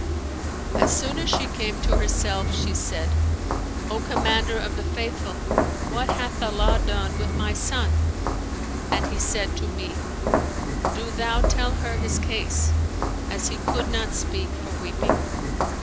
As soon as she came to herself, she said, O Commander of the Faithful, what hath Allah done with my son?'; and he said to me, Do thou tell her his case' (as he could not speak for weeping).